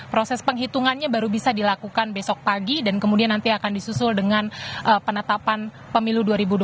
proses penghitungannya baru bisa dilakukan besok pagi dan kemudian nanti akan disusul dengan penetapan pemilu dua ribu dua puluh